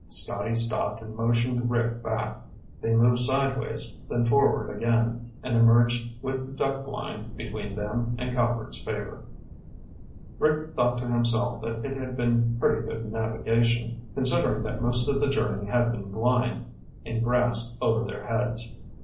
Scotty stopped and motioned Rick back. They moved sideways, then forward again, and emerged with the duck blind between them and Calvert's Favor. Rick thought to himself that it had been pretty good navigation, considering that most of the journey had been blind, in grass over their heads.